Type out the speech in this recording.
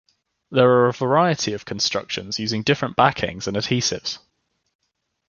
There are a variety of constructions using different backings and adhesives.